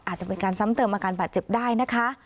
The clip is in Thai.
อาจจะเป็นการซ้ำเติมอาการบาดเจ็บได้นะคะ